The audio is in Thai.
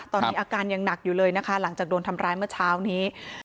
ตอนนี้อาการยังหนักอยู่เลยนะคะหลังจากโดนทำร้ายเมื่อเช้านี้